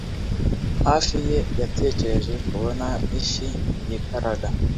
hafi ye, yatekereje kubona ifi yikaraga